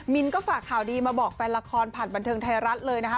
นก็ฝากข่าวดีมาบอกแฟนละครผ่านบันเทิงไทยรัฐเลยนะคะ